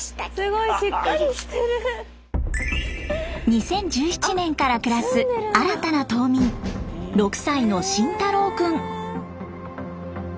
２０１７年から暮らす新たな島民６歳の晋太郎君。